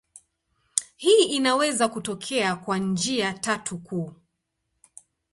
Hii inaweza kutokea kwa njia tatu kuu.